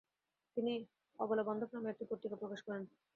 তিনি অবলাবান্ধব নামে একটি পত্রিকা প্রকাশ করেন।